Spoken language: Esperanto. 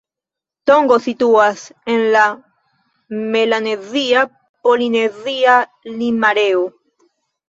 Tongo situas en melanezia-polinezia lim-areo.